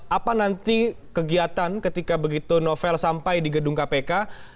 apa nanti kegiatan ketika begitu novel sampai di gedung kpk